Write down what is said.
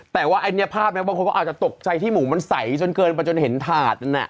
แต่ว่าอันนี้ภาพนั้นบางคนก็อาจจะตกใจที่หมูมันใสจนเกินไปจนเห็นถาด